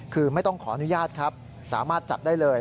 คือไม่ต้องขออนุญาตครับสามารถจัดได้เลย